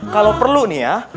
kalau perlu nih ya